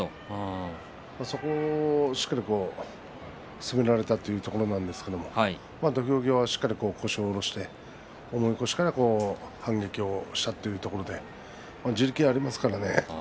そこをしっかり攻められたというところなんでしょうけど土俵際しっかり腰を下ろして重い腰から反撃をしたというところで地力がありますからね。